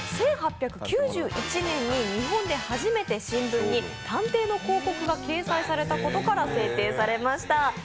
１８９８年に日本で初めて新聞に探偵の広告が掲載されたことから制定されました。